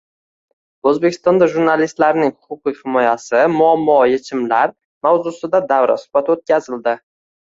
«O‘zbekistonda jurnalistlarning huquqiy himoyasi: muammo va yechimlar» mavzusida davra suhbati o‘tkazildi.